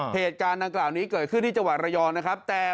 ห้ามปลามไว้เรียบร้อยแล้ว